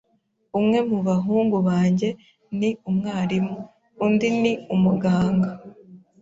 Umwe mu bahungu banjye ni umwarimu, undi ni umuganga.